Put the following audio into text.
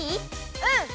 うん！